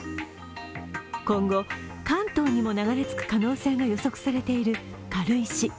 今後、関東にも流れ着く可能性が予測されている軽石。